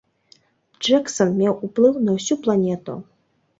Джэксан меў ўплыў на ўсю планету!